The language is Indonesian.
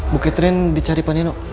bu ketrin dicari pak nino